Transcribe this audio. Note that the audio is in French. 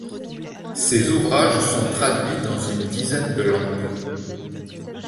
Ses ouvrages sont traduits dans une dizaine de langues.